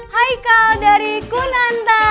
haikal dari kunanta